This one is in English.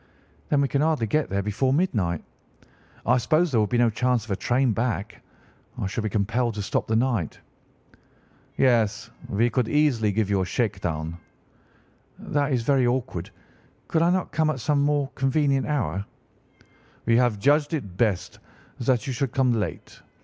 "'Then we can hardly get there before midnight. I suppose there would be no chance of a train back. I should be compelled to stop the night.' "'Yes, we could easily give you a shake down.' "'That is very awkward. Could I not come at some more convenient hour?' "'We have judged it best that you should come late.